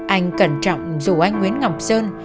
anh cẩn trọng rủ anh nguyễn ngọc sơn